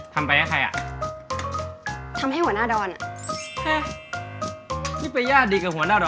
ทำไปให้ใครอ่ะทำให้หัวหน้าดอนอ่ะนี่ไปญาติดีกับหัวหน้าดอน